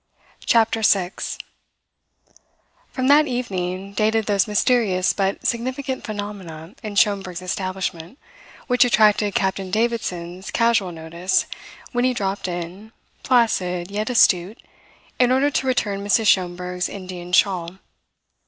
CHAPTER SIX From that evening dated those mysterious but significant phenomena in Schomberg's establishment which attracted Captain Davidson's casual notice when he dropped in, placid yet astute, in order to return Mrs. Schomberg's Indian shawl.